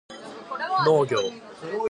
農業